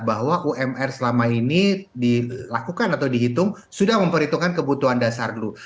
bahwa umr selama ini dilakukan atau dihitung sudah memperhitungkan kebutuhan dasar dulu